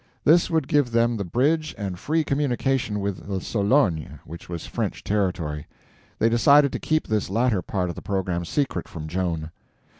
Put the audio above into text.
This would give them the bridge and free communication with the Sologne, which was French territory. They decided to keep this latter part of the program secret from Joan.